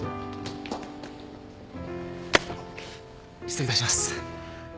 失礼いたします。